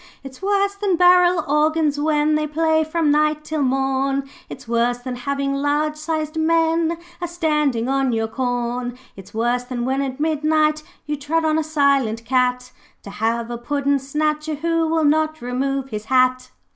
'It's worse than barrel organs when They play from night till morn; It's worse than having large sized men A standing on your corn. 'It's worse than when at midnight you Tread on a silent cat, To have a puddin' snatcher who Will not remove his hat.'